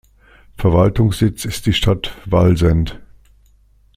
Verwaltungssitz ist die Stadt Wallsend.